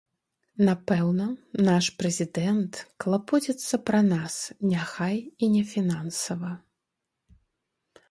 Напэўна, наш прэзідэнт клапоціцца пра нас, няхай і не фінансава.